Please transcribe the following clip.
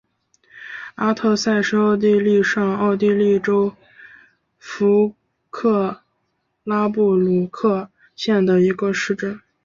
阿特塞是奥地利上奥地利州弗克拉布鲁克县的一个市镇。